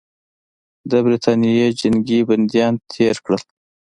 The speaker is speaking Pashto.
د برټانیې جنګي بندیان تېر کړل.